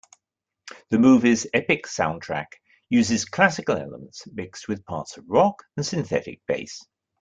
The movie's epic soundtrack uses classical elements mixed with parts of rock and synthetic bass.